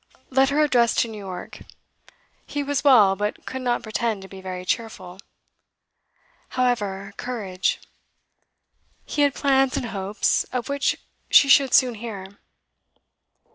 Let her address to New York. He was well, but could not pretend to be very cheerful. However, courage! He had plans and hopes, of which she should soon hear.